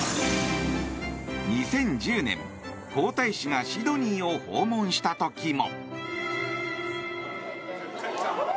２０１０年、皇太子がシドニーを訪問した時も。